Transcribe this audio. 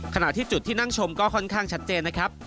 ขณะที่จุดที่นั่งชมก็ค่อนข้างชัดเจนนะครับ